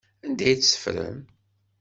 Anda ay tt-teffrem?